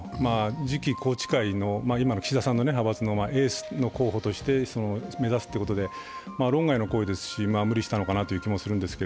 次期の、宏池会、岸田さんの派閥のエース候補を目指すということで論外の行為ですし、無理したのかなという気もしますが。